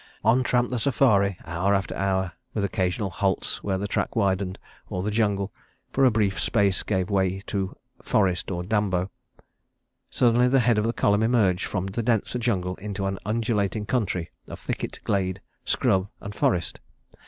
On tramped the safari, hour after hour, with occasional halts where the track widened, or the jungle, for a brief space, gave way to forest or dambo. Suddenly the head of the column emerged from the denser jungle into an undulating country of thicket, glade, scrub, and forest.